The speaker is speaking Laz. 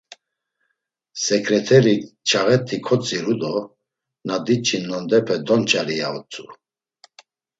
Seǩreterik çağet̆i kotziru do na diç̌in nondepe donç̌ari, ya utzu.